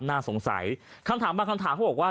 น่าสงสัยคำถามบางคำถามเขาบอกว่า